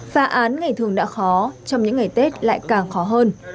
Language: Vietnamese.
phá án ngày thường đã khó trong những ngày tết lại càng khó hơn